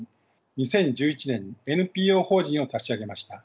２０１１年にＮＰＯ法人を立ち上げました。